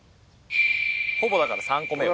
ほぼだから３個目よ。